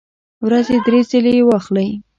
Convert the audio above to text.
ورځې درې ځله یی واخلئ